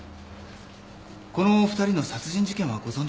このお二人の殺人事件はご存じですね？